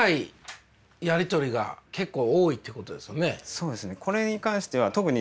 そうですね